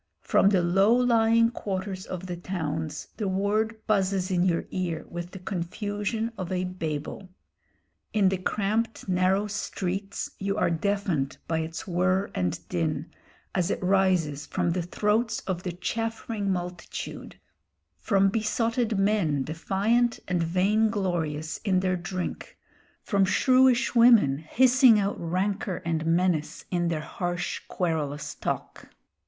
From the low lying quarters of the towns the word buzzes in your ear with the confusion of a Babel. In the cramped narrow streets you are deafened by its whirr and din, as it rises from the throats of the chaffering multitude, from besotted men defiant and vain glorious in their drink, from shrewish women hissing out rancour and menace in their harsh querulous talk.